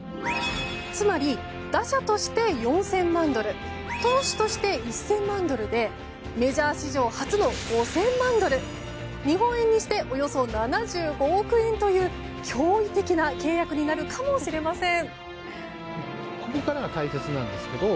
つまり打者として４０００万ドル投手として１０００万ドルでメジャー史上初の５０００万ドル日本円にしておよそ７５億円という驚異的な契約になるかもしれません。